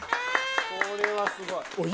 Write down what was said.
これはすごい！